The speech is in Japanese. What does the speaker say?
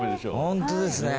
ホントですね。